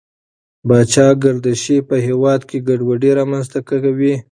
پاچا ګردشي په هېواد کې ګډوډي رامنځته کوي.